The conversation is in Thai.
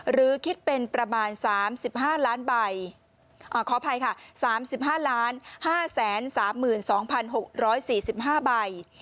หรือคิดเป็นประมาณ๓๕ล้านใบขออภัยค่ะ๓๕๕๓๒๖๔๕ใบ